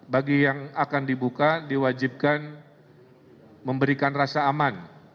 bagi yang akan dibuka diwajibkan memberikan rasa aman